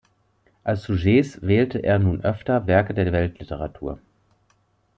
Als Sujets wählte er nun öfter Werke der Weltliteratur.